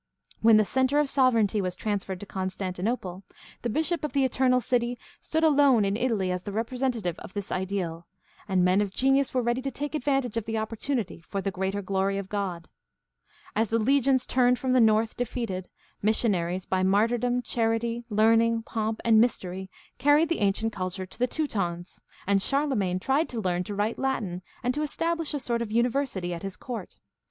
When the center of sovereignty was transferred to Constantinople, the Bishop of the Eternal City stood alone in Italy as the representative of this ideal, and men of genius were ready to take advantage of the opportunity, ''for the greater glory of God." As the legions returned from the North defeated, missionaries, by martyrdom, charity, learn ing, pomp, and mystery, carried the ancient culture to the Teutons, and Charlemagne tried to learn to write Latin and to establish a sort of university at his court.